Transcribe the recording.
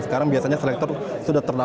pilihan wahas benda darjah